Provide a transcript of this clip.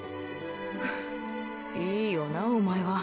はぁいいよなお前は。